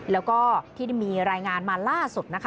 แล้วก็ที่มีรายงานมาล่าสุดนะคะ